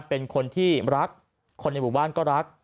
เป็นคนที่รักคนในบุควราลักษณ์ก็รัก